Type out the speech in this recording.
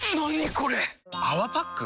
これ⁉「泡パック」？